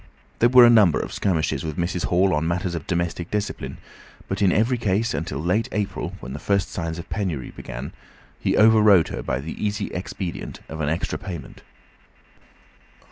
There were a number of skirmishes with Mrs. Hall on matters of domestic discipline, but in every case until late April, when the first signs of penury began, he over rode her by the easy expedient of an extra payment.